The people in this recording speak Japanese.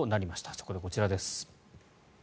そこでこちらです。